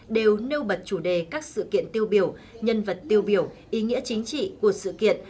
đều nêu bật chủ đề các sự kiện tiêu biểu nhân vật tiêu biểu ý nghĩa chính trị của sự kiện